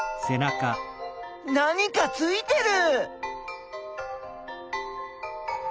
何かついてる！